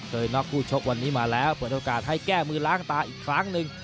น็อกคู่ชกวันนี้มาแล้วเปิดโอกาสให้แก้มือล้างตาอีกครั้งหนึ่ง